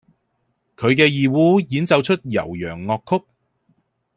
佢嘅二胡演奏出悠揚樂曲